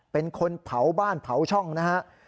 เป็นคนเผาบ้านเผาช่องนะฮะ